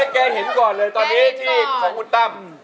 แกเห็นก่อนเลยตอนนี้ที่ของคุณตั้ม